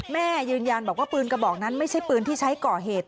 แม่ยืนยันบอกว่าปืนกระบอกนั้นไม่ใช่ปืนที่ใช้ก่อเหตุ